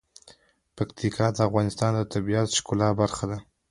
پکتیکا د افغانستان د طبیعت د ښکلا برخه ده.